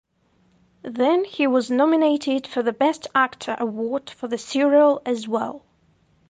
Then he was nominated for the best actor award for the serial as well.